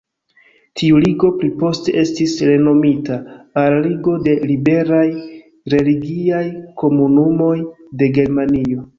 Tiu ligo pli poste estis renomita al "Ligo de Liberaj Religiaj Komunumoj de Germanio".